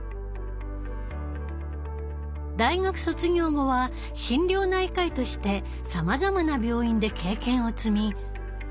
大学卒業後は心療内科医としてさまざまな病院で経験を積み